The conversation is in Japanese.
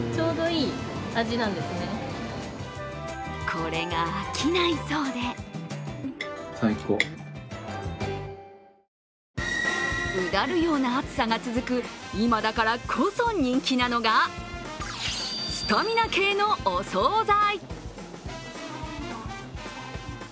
これが飽きないそうでうだるような暑さが続く今だからこそ人気なのがスタミナ系のお総菜。